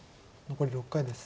残り６回です。